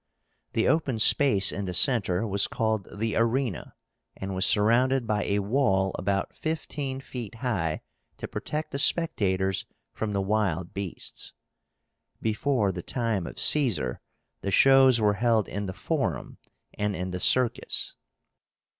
The open space in the centre was called the ARÉNA, and was surrounded by a wall about fifteen feet high to protect the spectators from the wild beasts. Before the time of Caesar the shows were held in the Forum and in the Circus.